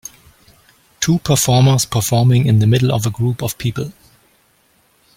Two performers performing in the middle of a group of people.